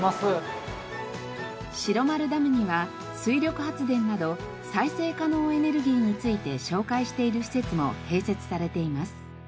白丸ダムには水力発電など再生可能エネルギーについて紹介している施設も併設されています。